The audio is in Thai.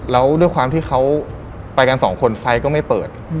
แล้วด้วยความที่เขาไปกันสองคนไฟก็ไม่เปิด